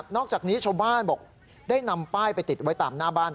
จากนี้ชาวบ้านบอกได้นำป้ายไปติดไว้ตามหน้าบ้าน